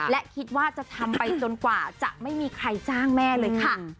และคิดว่าจะทำไปจนกว่าจะไม่มีใครจ้างแม่เลยค่ะ